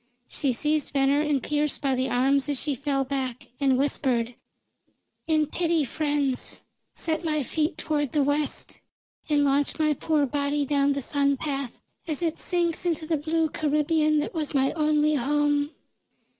She seized Venner and Pearse by the arms as she fell back, and whispered: "In pity, friends, set my feet toward the west, and launch my poor body down the sun path as it sinks into the blue Caribbean that was my only home."